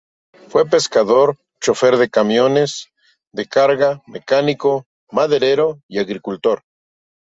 Fue pescador, chofer de camiones de carga, mecánico, maderero y agricultor.